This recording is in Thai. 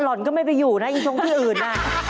ห่อนก็ไม่ไปอยู่นะอีชงที่อื่น